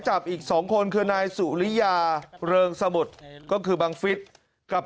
จับอีก๒คนคือนายสุริยาเริงสมุทรก็คือบังฟิศกับ